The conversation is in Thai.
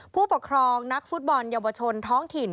ผู้ปกครองนักฟุตบอลเยาวชนท้องถิ่น